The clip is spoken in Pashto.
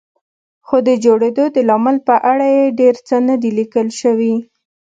خو د جوړېدو د لامل په اړه یې ډېر څه نه دي لیکل شوي.